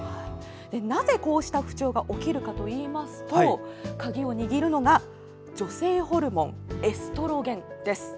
なぜこうした不調が起きるかというと鍵を握るのが女性ホルモン、エストロゲンです。